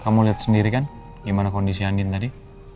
kamu lihat sendiri kan gimana kondisi andin tadi